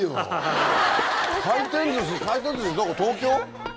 東京？